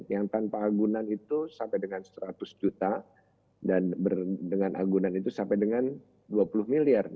yang tanpa agunan itu sampai dengan seratus juta dan dengan agunan itu sampai dengan dua puluh miliar